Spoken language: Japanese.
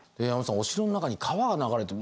お城の中に川が流れてる。